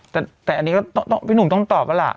แต่อันนี้ก็พี่หนุ่มต้องตอบแล้วล่ะ